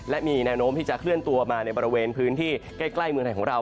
และมีแนวโน้มที่จะเคลื่อนตัวมาในบริเวณพื้นที่ใกล้เมืองไทยของเรา